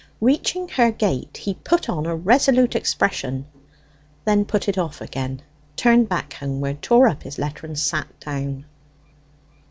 Reaching her gate he put on a resolute expression then put it off again, turned back homeward, tore up his letter, and sat down.